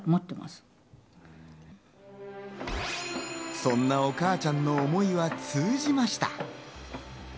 そんなお母ちゃんの思いは通じました。